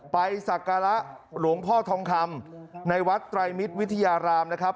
ไปสากรระหลวงพ่อทองคำในวัดตรายมิธวิทยารามนะครับ